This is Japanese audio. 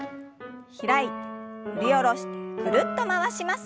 開いて振り下ろしてぐるっと回します。